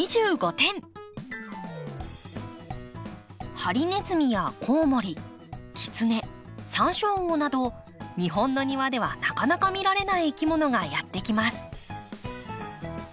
ハリネズミやコウモリキツネサンショウウオなど日本の庭ではなかなか見られないいきものがやって来ます。